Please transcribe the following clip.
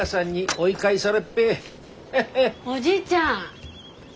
おじいちゃん。